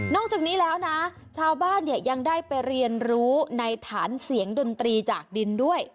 จากนี้แล้วนะชาวบ้านเนี่ยยังได้ไปเรียนรู้ในฐานเสียงดนตรีจากดินด้วย